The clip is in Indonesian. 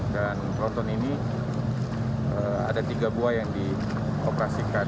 dan tronton ini ada tiga buah yang dioperasikan